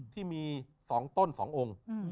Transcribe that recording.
ที่มีสองต้นสององค์